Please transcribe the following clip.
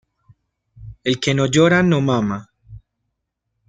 El que no llora no mama.